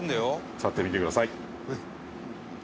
座ってみてください。